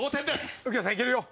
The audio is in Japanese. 右京さんいけるよ！